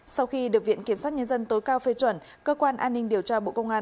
sau khi được viện kiểm sát nhân dân tối cao phê chuẩn cơ quan an ninh điều tra bộ công an